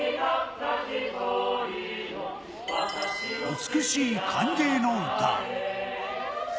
美しい歓迎の歌。